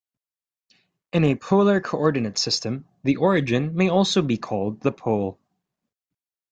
In a polar coordinate system, the origin may also be called the pole.